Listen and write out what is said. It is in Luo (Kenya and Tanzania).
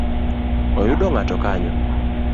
Oyudo ng’ato kanyo?